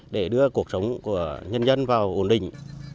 để đưa cuộc sống của nhân dân vào ổn định